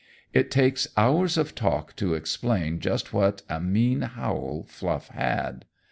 It takes hours of talk to explain just what a mean howl Fluff had.